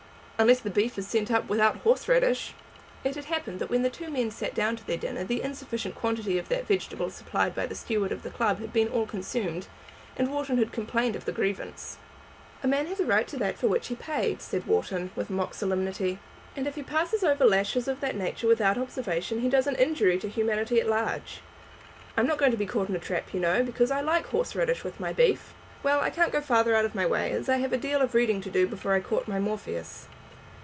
"Unless the beef is sent up without horse radish!" It had happened that when the two men sat down to their dinner the insufficient quantity of that vegetable supplied by the steward of the club had been all consumed, and Wharton had complained of the grievance. "A man has a right to that for which he has paid," said Wharton, with mock solemnity, "and if he passes over laches of that nature without observation he does an injury to humanity at large. I'm not going to be caught in a trap, you know, because I like horse radish with my beef. Well, I can't go farther out of my way, as I have a deal of reading to do before I court my Morpheus.